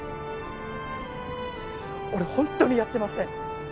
俺本当にやってません。